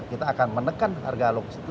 kita akan menekan harga logistik itu